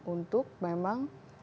untuk memang kalau dia berubah